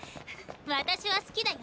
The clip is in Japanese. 私は好きだよ。